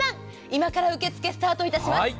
今から受け付けスタートします。